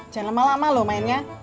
jangan lama lama loh mainnya